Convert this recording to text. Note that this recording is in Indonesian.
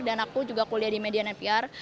dan aku juga kuliah di media npr